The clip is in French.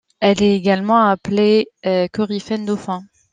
Elle est également appelée coryphène dauphin.